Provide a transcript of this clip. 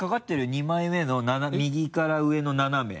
２枚目の右から上の斜め。